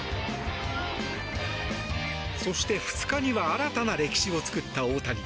そして、２日には新たな歴史を作った大谷。